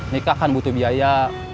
nikah kan butuh biaya